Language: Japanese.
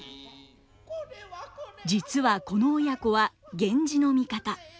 実はこの親子は源氏の味方。